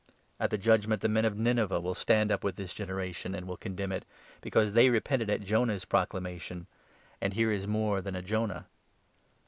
At the Judge 32 ment the men of Nineveh will stand up with this generation, and will condemn it, because they repented at Jonah's proclama tion ; and here is more than a Jonah